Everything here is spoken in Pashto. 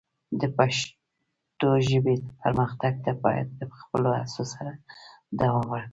د پښتو ژبې پرمختګ ته باید د خپلو هڅو سره دوام ورکړو.